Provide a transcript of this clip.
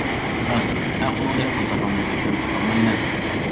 راست، مەن ئۇنىڭدەك پۇل تاپالمىدىم ھەم تاپالمايمەن.